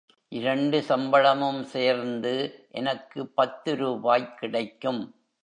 இரண்டு சம்பளமும் சேர்ந்து எனக்குப் பத்து ரூபாய் கிடைக்கும்.